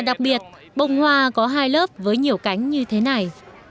và đặc biệt bồng hoa có hai lớp với nhiều cánh như thế này